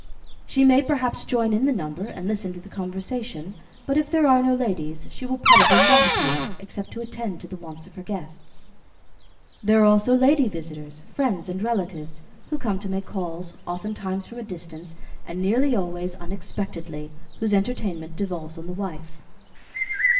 She may, perhaps, join in the number and listen to the conversation; but if there are no ladies, she will probably not appear, except to attend to the wants of her guests. There are also lady visitors friends and relatives who come to make calls, oftentimes from a distance, and nearly always unexpectedly, whose entertainment devolves on the wife.